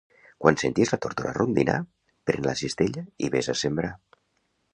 Quan sentis la tórtora rondinar, pren la cistella i ves a sembrar.